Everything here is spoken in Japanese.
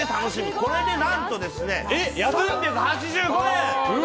これで何と３８５円！